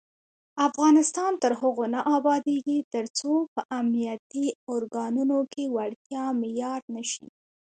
افغانستان تر هغو نه ابادیږي، ترڅو په امنیتي ارګانونو کې وړتیا معیار نشي.